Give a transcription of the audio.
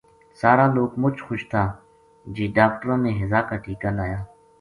سار لوک مچ خوش تھا جے ڈاکٹراں نے ہیضہ کا ٹیکہ لایا